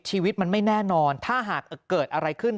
ชีวิตมันไม่แน่นอนถ้าหากเกิดอะไรขึ้น